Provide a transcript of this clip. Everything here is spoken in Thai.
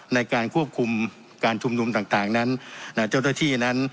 ในการควบคุมการชุมนุมต่างนั้นเจ้าหน้าที่นั้น